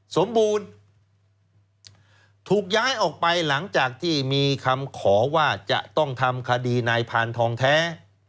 สมบูรณ์ถูกย้ายออกไปหลังจากที่มีคำขอว่าจะต้องทำคดีนายพานทองแท้